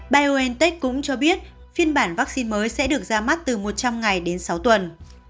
biontech cũng cho biết phiên bản vaccine mới sẽ được ra mắt từ một trăm linh ngày đến sáu tuần